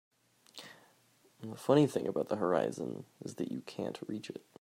The funny thing about the horizon is that you can't reach it.